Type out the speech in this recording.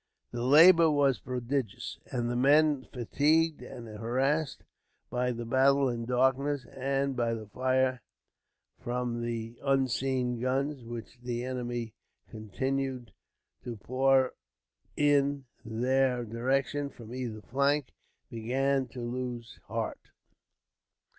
The labour was prodigious, and the men, fatigued and harassed by this battle in darkness, and by the fire from the unseen guns which the enemy continued to pour in their direction from either flank, began to lose heart.